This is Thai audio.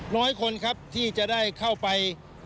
น้อยคนครับที่จะได้เข้าไป